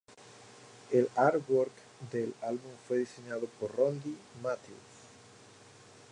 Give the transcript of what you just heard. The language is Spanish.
El "artwork" del álbum fue diseñado por Rodney Matthews.